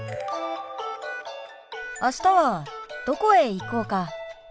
あしたはどこへ行こうか？